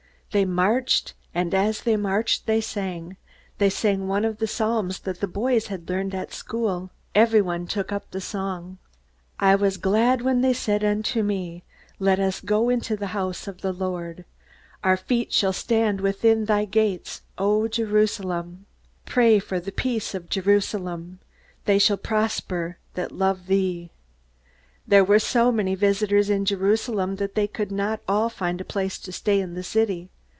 They marched, and as they marched they sang. They sang one of the psalms that the boys had learned at school. Everyone took up the song: "'I was glad when they said unto me, Let us go into the house of the Lord. Our feet shall stand within thy gates, O Jerusalem.... Pray for the peace of Jerusalem: They shall prosper that love thee.'" There were so many visitors in Jerusalem that they could not all find a place to stay in the city.